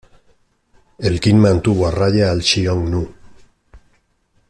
El Qin mantuvo a raya al Xiongnu.